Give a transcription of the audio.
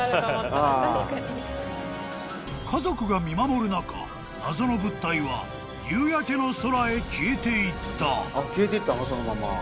［家族が見守る中謎の物体は夕焼けの空へ消えていった］